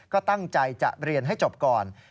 ก็ตั้งใจจะเรียนให้จบก่อน